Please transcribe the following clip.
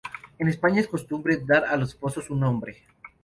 En España, es costumbre dar a los pozos un nombre.